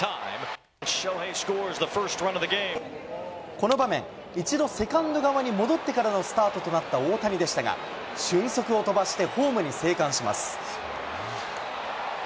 この場面、一度セカンド側に戻ってからのスタートとなった大谷でしたが、俊足を飛ばして、ホームに生還します。